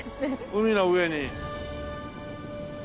海の上に。